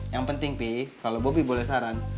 yang penting pih kalo bobi boleh saran